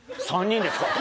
３人ですか？」